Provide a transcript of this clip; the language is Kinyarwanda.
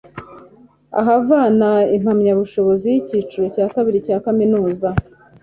ahavana impamyabushobozi y'icyiciro cya kabiri cya kaminuza